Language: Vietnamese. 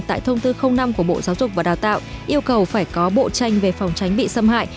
tại thông tư năm của bộ giáo dục và đào tạo yêu cầu phải có bộ tranh về phòng tránh bị xâm hại